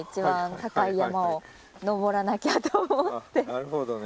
なるほどね。